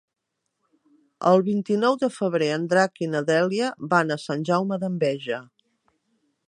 El vint-i-nou de febrer en Drac i na Dèlia van a Sant Jaume d'Enveja.